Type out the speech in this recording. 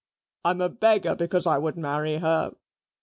I'm a beggar because I would marry her.